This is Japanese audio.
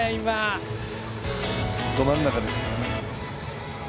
ど真ん中ですから。